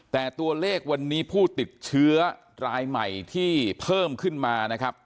แต่ตัวเลขวันนี้ผู้ติดเชื้อรายใหม่ที่เพิ่มขึ้นมานะครับ